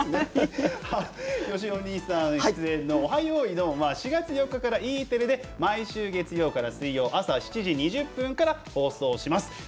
よいどん」は４月８日からＥテレで毎週月曜から水曜朝７時２０分から放送します。